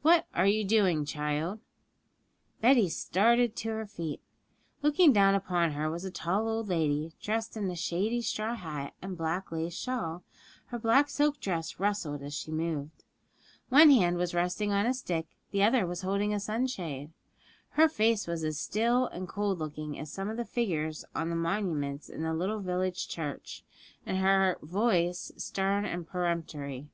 'What are you doing, child?' Betty started to her feet. Looking down upon her was a tall old lady, dressed in a shady straw hat and black lace shawl; her black silk dress rustled as she moved. One hand was resting on a stick, the other was holding a sunshade. Her face was as still and cold looking as some of the figures on the monuments in the little village church, and her voice stern and peremptory.